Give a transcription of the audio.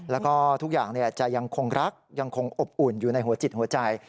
แล้วก็ทุกอย่างจะยังคงรักยังคงอบอุ่นอยู่ในหัวจิตหัวใจ